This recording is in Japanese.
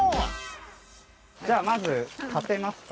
じゃあまず立てますか？